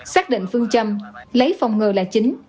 xác định phương châm lấy phòng ngờ là chính